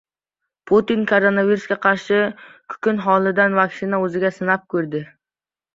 Putin koronavirusga qarshi kukun holidagi vaksinani o‘zida sinab ko‘rdi